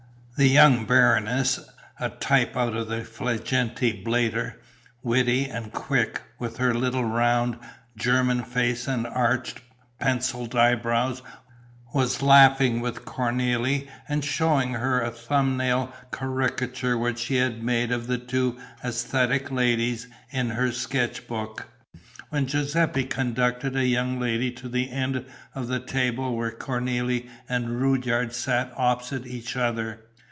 The young baroness, a type out of the Fliegende Blätter, witty and quick, with her little round, German face and arched, pencilled eyebrows, was laughing with Cornélie and showing her a thumb nail caricature which she had made of the two æsthetic ladies in her sketch book, when Giuseppe conducted a young lady to the end of the table where Cornélie and Rudyard sat opposite each other.